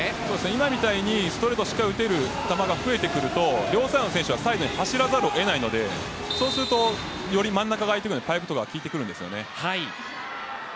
今みたいにストレートしっかり打てる球が増えてくると両サイドの選手はサイドに走らざる得ないのでそうすると真ん中が空くのでパイプも効いてきますね。